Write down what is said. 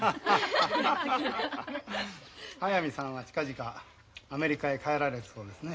速水さんは近々アメリカへ帰られるそうですね。